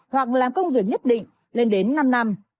hoặc làm công việc nhất định lên đến năm năm